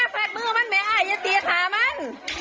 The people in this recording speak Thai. ฝาดมื้อมันแหมอ่ะอย่าเตี๋ยวขามัน